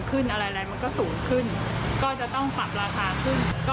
ประชาชนคนจนมันเยอะ